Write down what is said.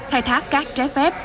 khai thác các trái phép